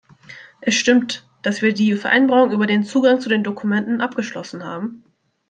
Es stimmt, dass wir die Vereinbarung über den Zugang zu den Dokumenten abgeschlossen haben.